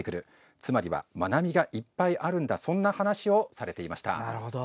つまりは学びがいっぱいあるんだそんな話をされていました。